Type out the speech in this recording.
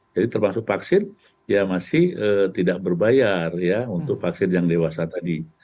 jadi termasuk vaksin ya masih tidak berbayar ya untuk vaksin yang dewasa tadi